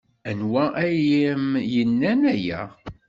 Anwa ay am-yennan aya?